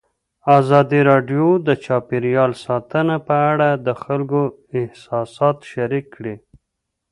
ازادي راډیو د چاپیریال ساتنه په اړه د خلکو احساسات شریک کړي.